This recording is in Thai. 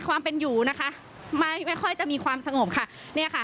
ความเป็นอยู่นะคะไม่ไม่ค่อยจะมีความสงบค่ะเนี่ยค่ะ